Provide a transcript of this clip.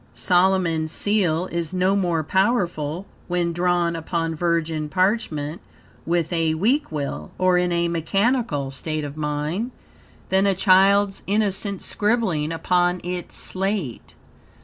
Solomon's Seal is no more powerful, when drawn upon virgin parchment, with a weak will, or in a mechanical state of mind, than a child's innocent scribbling upon its slate.